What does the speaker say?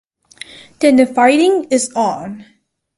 Then the fighting is on.